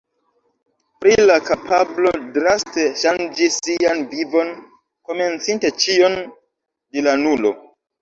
Pri la kapablo draste ŝanĝi sian vivon, komencinte ĉion de la nulo.